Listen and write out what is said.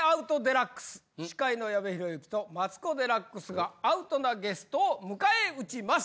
司会の矢部浩之とマツコ・デラックスがアウトなゲストを迎え撃ちます。